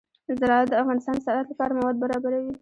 زراعت د افغانستان د صنعت لپاره مواد برابروي.